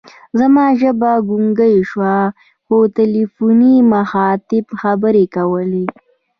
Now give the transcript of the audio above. زما ژبه ګونګۍ شوه، خو تلیفوني مخاطب خبرې کولې.